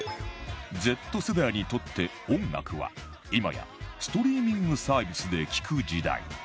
Ｚ 世代にとって音楽は今やストリーミングサービスで聴く時代